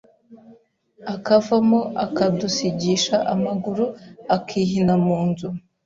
akavamo akadusigisha amaguru, akihina mu nzu